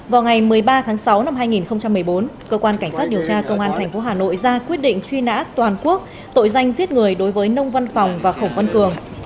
vào ngày một mươi ba tháng sáu năm hai nghìn một mươi bốn cơ quan cảnh sát điều tra công an tp hà nội ra quyết định truy nã toàn quốc tội danh giết người đối với nông văn phòng và khổng văn cường